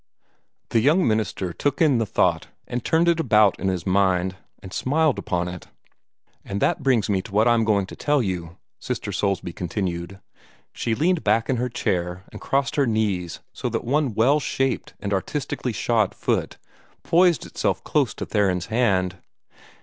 The young minister took in the thought, and turned it about in his mind, and smiled upon it. "And that brings me to what I'm going to tell you," Sister Soulsby continued. She leaned back in her chair, and crossed her knees so that one well shaped and artistically shod foot poised itself close to Theron's hand.